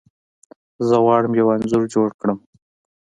زه غواړم یو انځور جوړ کړم.